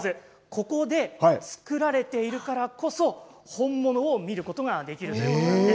ここで作られているからこそ本物を見ることができるんです。